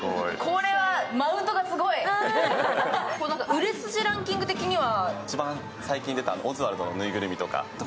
売れ筋ランキングとしては？